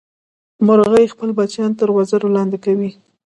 مورغۍ خپل بچیان تر وزر لاندې کوي